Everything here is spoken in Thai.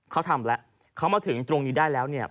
เขาทำแล้วเขามาถึงตรงนี้ได้แล้วเนี่ย